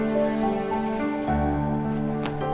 gampang juga ya